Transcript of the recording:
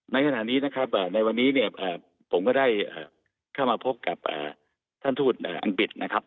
ในช่วงนี้ครับในวันนี้ผมได้เข้ามาพบกับท่านทูตอังบิตรนะครับ